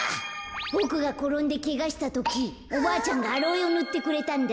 ボクがころんでけがしたときおばあちゃんがアロエをぬってくれたんだ。